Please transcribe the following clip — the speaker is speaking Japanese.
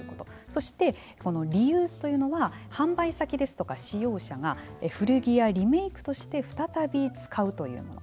そして、このリユースというのは販売先ですとか使用者が古着やリメイクとして再び使うというもの。